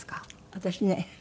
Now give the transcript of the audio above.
私ね